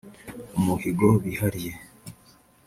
umuhigo bihariye